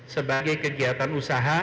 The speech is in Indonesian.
sebagai kegiatan usaha